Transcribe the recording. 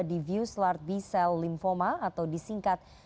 divius lard b cell lymphoma atau disingkat